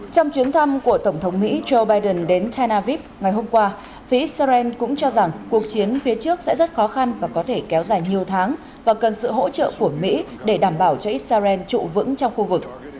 trong chuyến thăm của tổng thống mỹ joe biden đến tel aviv ngày hôm qua phía israel cũng cho rằng cuộc chiến phía trước sẽ rất khó khăn và có thể kéo dài nhiều tháng và cần sự hỗ trợ của mỹ để đảm bảo cho israel trụ vững trong khu vực